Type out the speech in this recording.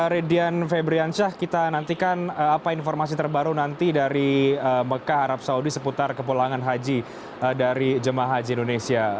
redian febriansyah kita nantikan apa informasi terbaru nanti dari mekah arab saudi seputar kepulangan haji dari jemaah haji indonesia